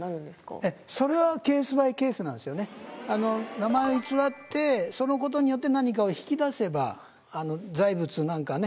名前を偽ってそのことによって何かを引き出せば財物なんか。